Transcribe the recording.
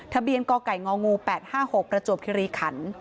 ทะเบียนกไก่งง๘๕๖ประจวบคิรีขัน